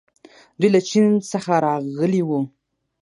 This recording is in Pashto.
دوی له چین څخه راغلي وو